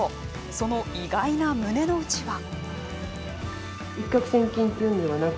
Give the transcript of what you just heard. その意外な胸の内は。